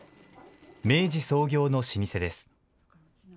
明治創業の老舗です。